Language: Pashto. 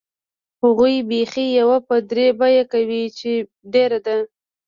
هغوی بیخي یو په درې بیه کوي چې ډېره ده.